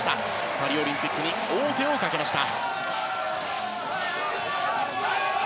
パリオリンピックに王手をかけました。